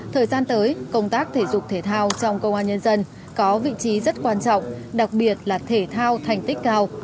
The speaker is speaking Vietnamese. thời gian tới công tác thể dục thể thao trong công an nhân dân có vị trí rất quan trọng đặc biệt là thể thao thành tích cao